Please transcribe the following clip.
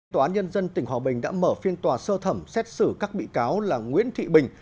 tòa án nhân dân tỉnh hòa bình đã mở phiên tòa sơ thẩm xét xử các bị cáo là nguyễn thị bình